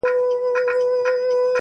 په ورور تور پوري کوې په زړه خیرنه,